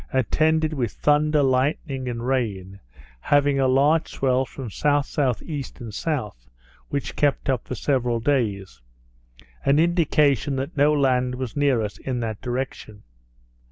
attended with thunder, lightning, and rain, having a large swell from S.S.E. and S., which kept up for several days, an indication that no land was near us in that direction.